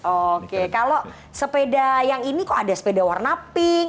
oke kalau sepeda yang ini kok ada sepeda warna pink